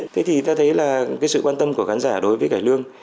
thế thì ta thấy là cái sự quan tâm của khán giả đối với cải lương